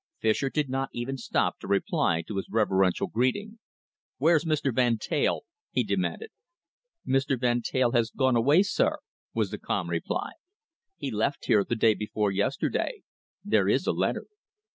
Fischer did not even stop to reply to his reverential greeting. "Where's Mr. Van Teyl?" he demanded. "Mr. Van Teyl has gone away, sir," was the calm reply. "He left here the day before yesterday. There is a letter."